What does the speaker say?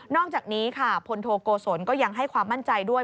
อกจากนี้ค่ะพลโทโกศลก็ยังให้ความมั่นใจด้วย